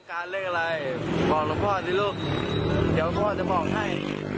เลขอะไรบอกหลวงพ่อสิลูกเดี๋ยวพ่อจะบอกให้